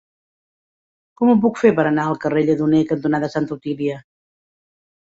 Com ho puc fer per anar al carrer Lledoner cantonada Santa Otília?